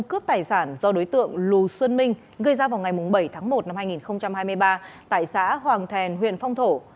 cướp tài sản do đối tượng lù xuân minh gây ra vào ngày bảy tháng một năm hai nghìn hai mươi ba tại xã hoàng thèn huyện phong thổ